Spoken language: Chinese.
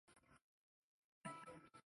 塞尔维亚是一个位于东南欧的国家。